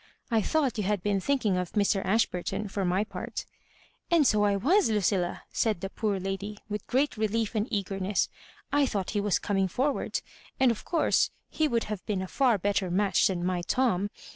" I thought you had been thinking of Mr. Ashburton, for my part'* "And so I was, Ludlla," said the poor lady, with great relief and eagerness. ." I thought he was coming forward, and of course he would have been a far better match than my Tom.